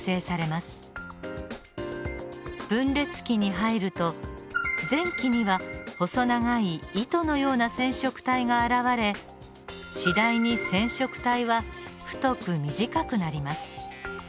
分裂期に入ると前期には細長い糸のような染色体が現れ次第に染色体は太く短くなります。